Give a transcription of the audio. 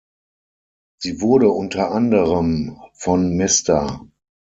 Sie wurde unter anderem von Mr.